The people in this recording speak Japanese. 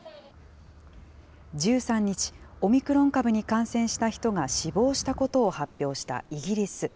１３日、オミクロン株に感染した人が死亡したことを発表したイギリス。